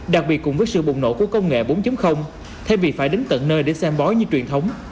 đặc biệt cùng với sự bùng nổ của công nghệ bốn thay vì phải đến tận nơi để xem bói như truyền thống